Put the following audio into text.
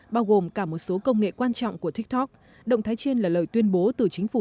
bao gồm cả một số công nghệ quan trọng của tiktok động thái trên là lời tuyên bố từ chính phủ